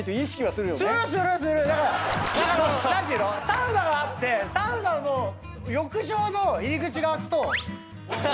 サウナがあってサウナの浴場の入り口が開くと。